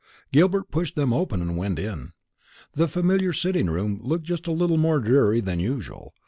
Gilbert pushed them open and went in. The familiar sitting room looked just a little more dreary than usual.